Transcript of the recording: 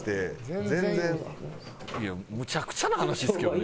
いやむちゃくちゃな話ですけどね。